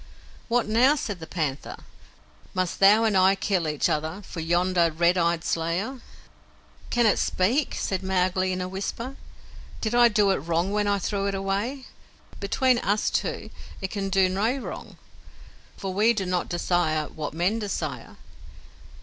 "What now?" said the panther. "Must thou and I kill each other for yonder red eyed slayer?" "Can it speak?" said Mowgli in a whisper. "Did I do it a wrong when I threw it away? Between us two it can do no wrong, for we do not desire what men desire.